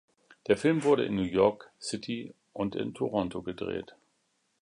Der Film wurde in New York City und in Toronto gedreht.